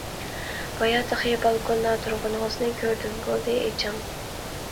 بايا تېخى بالكوندا تۇرغىنىڭىزنى كۆردۈم، بولدى ئېچىڭ.